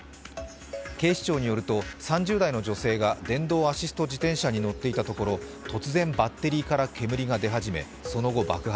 警視庁によると３０代の女性が電動アシスト自転車に乗っていたところ突然、バッテリーから煙が出始め、その後、爆発。